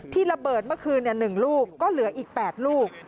ระเบิดเมื่อคืน๑ลูกก็เหลืออีก๘ลูก